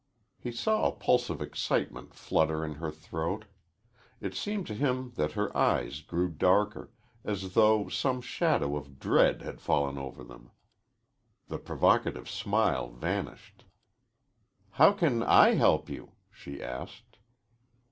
He saw a pulse of excitement flutter in her throat. It seemed to him that her eyes grew darker, as though some shadow of dread had fallen over them. The provocative smile vanished. "How can I help you?" she asked.